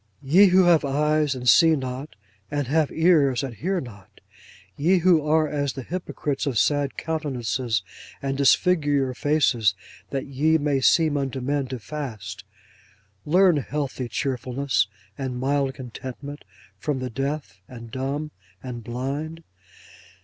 Ye who have eyes and see not, and have ears and hear not; ye who are as the hypocrites of sad countenances, and disfigure your faces that ye may seem unto men to fast; learn healthy cheerfulness, and mild contentment, from the deaf, and dumb, and blind!